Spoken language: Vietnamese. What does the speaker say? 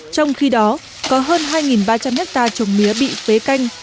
trong khi đó có hơn hai ba trăm linh hectare trồng mía bị phế canh